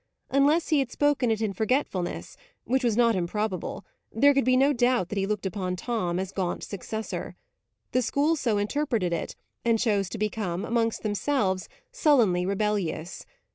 Unless he had spoken it in forgetfulness which was not improbable there could be no doubt that he looked upon Tom as Gaunt's successor. The school so interpreted it, and chose to become, amongst themselves, sullenly rebellious.